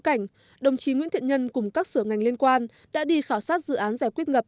cảnh đồng chí nguyễn thiện nhân cùng các sở ngành liên quan đã đi khảo sát dự án giải quyết ngập